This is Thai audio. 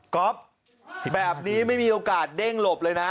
๊อฟแบบนี้ไม่มีโอกาสเด้งหลบเลยนะ